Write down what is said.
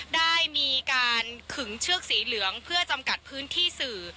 ได้มีการขึงเชือกสีเหลืองเพื่อจำกัดพื้นที่สื่อ